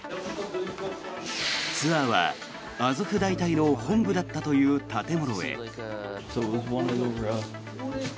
ツアーはアゾフ大隊の本部だったという建物へ。